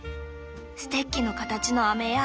ステッキの形のアメや。